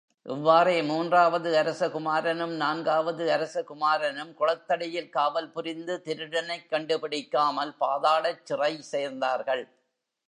இவ்வாறே மூன்றாவது அரசகுமாரனும், நான்காவது அரசகுமாரனும் குளத்தடியில் காவல் புரிந்து திருடனைக் கண்டுபிடிக்காமல் பாதாளச்சிறை சேர்ந்தார்கள்.